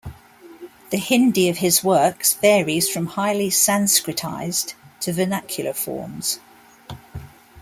The Hindi of his works varies from highly sanskritized to vernacular forms.